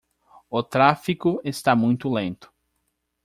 O tráfico está muito lento.